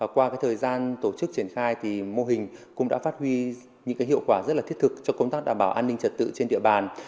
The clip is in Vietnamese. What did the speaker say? qua thời gian tổ chức triển khai thì mô hình cũng đã phát huy những hiệu quả rất là thiết thực cho công tác đảm bảo an ninh trật tự trên địa bàn